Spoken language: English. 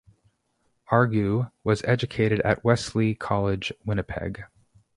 Argue was educated at Wesley College, Winnipeg.